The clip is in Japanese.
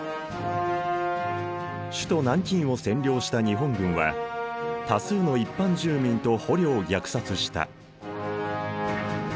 首都南京を占領した日本軍は多数の一般住民と捕虜を虐殺した。